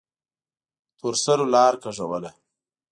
تورسرو لار کږوله.